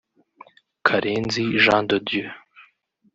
Karenzi Jean de Dieu